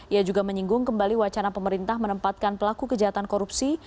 ia juga menyinggung kembali wacana pemerintah menempatkan pelaku kejahatan korupsi